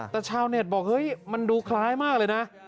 แต่ชาวเน็ตบอกเฮ้ยมันดูคล้ายมากเลยนะ